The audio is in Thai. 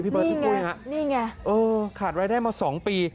นี่ไงนี่ไงขาดรายได้มาสองปี